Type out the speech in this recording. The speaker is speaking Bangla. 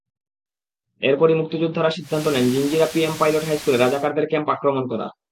এরপরই মুক্তিযোদ্ধারা সিদ্ধান্ত নেন জিঞ্জিরা পিএম পাইলট হাইস্কুলে রাজাকারদের ক্যাম্প আক্রমণ করার।